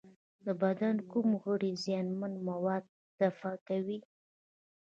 د بدن کوم غړي زیانمن مواد دفع کوي؟